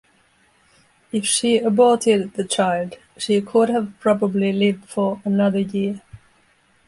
If she aborted the child, she could've possibly lived for another year.